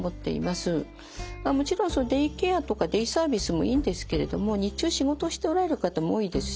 もちろんデイケアとかデイサービスもいいんですけれども日中仕事しておられる方も多いですし